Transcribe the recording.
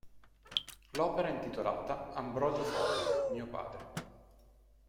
L'opera è intitolata "Ambrogio Fogar, mio padre".